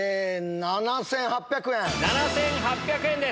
７８００円です。